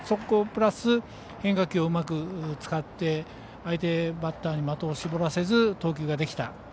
そこプラス変化球をうまく使って相手バッターに的を絞らせず投球ができた。